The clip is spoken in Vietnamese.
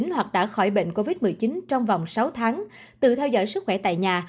hoặc đã khỏi bệnh covid một mươi chín trong vòng sáu tháng tự theo dõi sức khỏe tại nhà